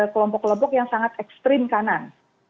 kelompok kelompok yang sangat ekstrim kanan